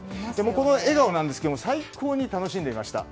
この笑顔なんですが最高に楽しんでいました。